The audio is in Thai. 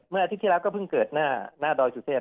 เมื่ออาทิตย์ที่แล้วก็เพิ่งเกิดหน้าหน้าโดยสุเทพ